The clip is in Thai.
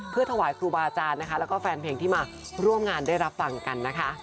เพื่อถวายครูบาอาจารย์นะคะแล้วก็แฟนเพลงที่มาร่วมงานได้รับฟังกันนะคะ